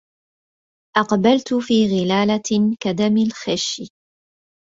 أقبلت في غلالة كدم الخش